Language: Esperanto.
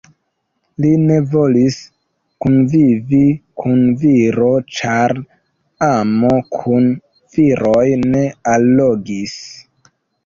Li ne volis kunvivi kun viro, ĉar amo kun viroj ne allogis.